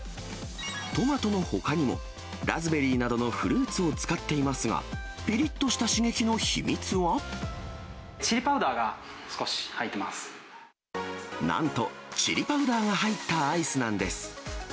トマトのほかにも、ラズベリーなどのフルーツを使っていますが、チリパウダーが少し入ってまなんと、チリパウダーが入ったアイスなんです。